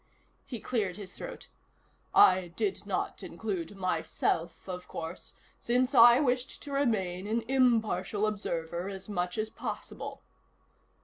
He cleared his throat. "I did not include myself, of course, since I wished to remain an impartial observer, as much as possible."